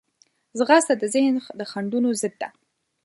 ځغاسته د ذهن د خنډونو ضد ده